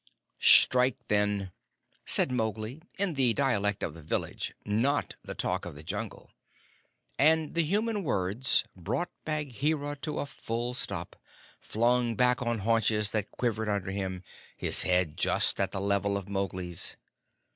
"Strike, then!" said Mowgli, in the dialect of the village, not the talk of the Jungle, and the human words brought Bagheera to a full stop, flung back on haunches that quivered under him, his head just at the level of Mowgli's.